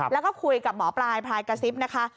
แล้วก็คุยกับหมอปลายพลายกระซิบนะคะ